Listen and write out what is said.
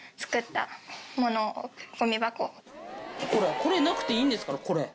これなくていいんですからこれ。